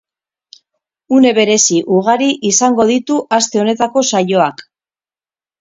Une berezi ugari izango ditu aste honetako saioak.